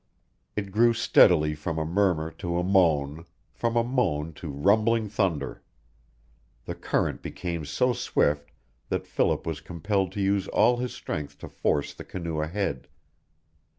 It grew steadily from a murmur to a moan, from a moan to rumbling thunder. The current became so swift that Philip was compelled to use all his strength to force the canoe ahead.